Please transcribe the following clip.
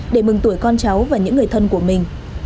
để mừng tuổi con cháu và những người thân của mình